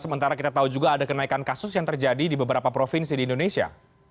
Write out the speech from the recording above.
sementara kita tahu juga ada kenaikan kasus yang terjadi di beberapa provinsi di indonesia